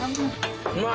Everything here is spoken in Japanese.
うまい。